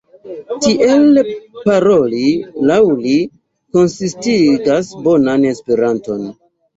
Tiel paroli, laŭ li, konsistigas "bonan" Esperanton.